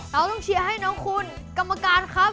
เราต้องเชียร์ให้น้องคุณกรรมการครับ